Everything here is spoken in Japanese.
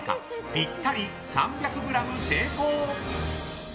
ぴったり３００ｇ成功！